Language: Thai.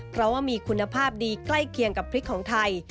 เพราะว่ามีคุณภาพดีใกล้เคียงกับพริกของไทย